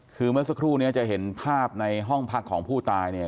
คือเมื่อสักครู่นี้จะเห็นภาพในห้องพักของผู้ตายเนี่ย